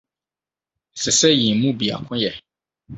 Ɛsɛ sɛ yɛn mu biako yɛ.